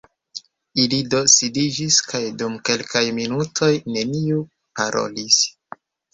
Ili do sidiĝis, kaj dum kelkaj minutoj neniu_ parolis.